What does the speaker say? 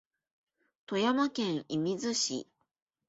富山県射水市